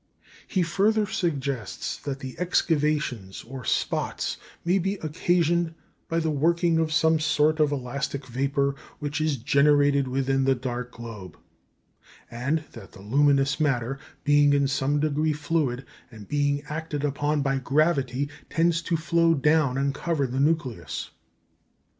" He further suggests that the excavations or spots may be occasioned "by the working of some sort of elastic vapour which is generated within the dark globe," and that the luminous matter, being in some degree fluid, and being acted upon by gravity, tends to flow down and cover the nucleus.